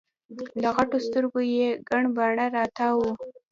له غټو سترګو یي ګڼ باڼه راتاو وو